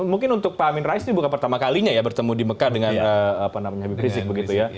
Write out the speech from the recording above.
mungkin untuk pak amin rais ini bukan pertama kalinya ya bertemu di mekah dengan habib rizik begitu ya